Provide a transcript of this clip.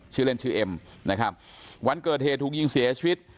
ชื่อเล่นชื่อเอ็มนะครับวันเกิดเหตุถูกยิงเสียชีวิต